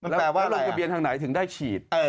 แต่ว่าลงทะเบียนทางไหนถึงได้ฉีด